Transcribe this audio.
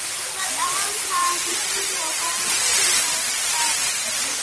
და წავალ ქარში როგორც მოცარტი